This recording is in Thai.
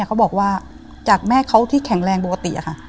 เขาบอกว่าจากแม่เขาที่แข็งแรงปกติอะค่ะ